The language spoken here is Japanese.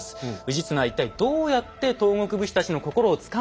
氏綱は一体どうやって東国武士たちの心をつかんだのか。